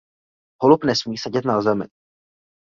Holub nesmí sedět na zemi.